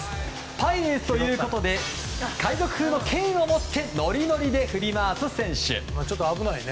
パイレーツということで海賊風の剣を持ってノリノリで振り回す選手！